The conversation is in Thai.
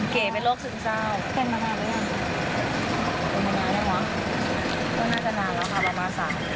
เก๋เป็นโรคสึงเศร้า